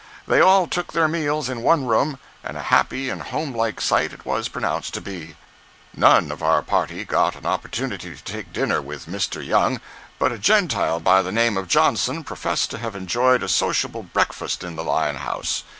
They all took their meals in one room, and a happy and home like sight it was pronounced to be. None of our party got an opportunity to take dinner with Mr. Young, but a Gentile by the name of Johnson professed to have enjoyed a sociable breakfast in the Lion House.